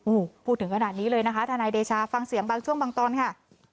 โอ้โหพูดถึงขนาดนี้เลยนะคะทนายเดชาฟังเสียงบางช่วงบางตอนค่ะ